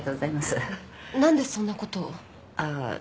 何でそんなことを？